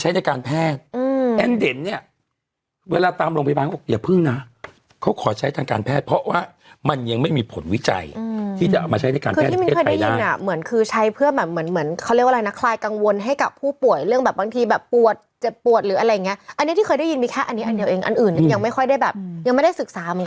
แต่เวลาตามโรงพยาบาลอย่าพึ่งนะเขาขอใช้ทางการแพทย์เพราะว่ามันยังไม่มีผลวิจัยที่จะเอามาใช้ในการแพทย์ในประเทศไทยแล้วเหมือนคือใช้เพื่อแบบเหมือนเขาเรียกว่าอะไรนะคลายกังวลให้กับผู้ป่วยเรื่องแบบบางทีแบบปวดเจ็บปวดหรืออะไรอย่างเงี้ยอันนี้ที่เคยได้ยินมีแค่อันนี้อันเดียวเองอันอื่นยังไม่ค่